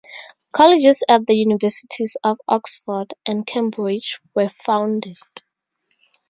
Colleges at the Universities of Oxford and Cambridge were founded.